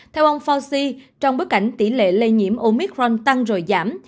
theo ông fauci trong bối cảnh tỷ lệ lây nhiễm omicron tăng rồi giảm